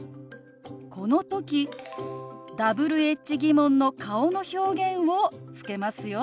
この時Ｗｈ−疑問の顔の表現をつけますよ。